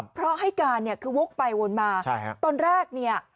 เพราะให้การเนี่ยคือวกไปวนมาใช่ฮะตอนแรกเนี่ย